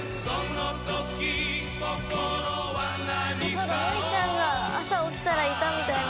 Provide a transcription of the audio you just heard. そうだのりちゃんが朝起きたらいたみたいな。